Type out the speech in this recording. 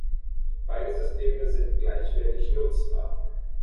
Beide Systeme sind gleichwertig nutzbar.